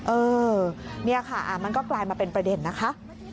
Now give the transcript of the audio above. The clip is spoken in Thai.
เออนี่ค่ะมันก็กลายมาเป็นประเด็นนะคะ